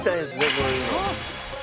こういうの。